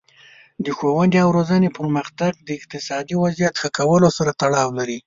د ښوونې او روزنې پرمختګ د اقتصادي وضعیت ښه کولو سره تړاو لري.